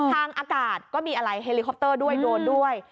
ทางอากาศก็มีอะไรเฮลิคอปเตอร์ด้วยโดนด้วย